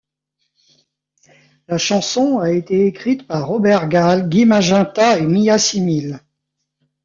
La chanson a été écrite par Robert Gall, Guy Magenta et Mya Simille.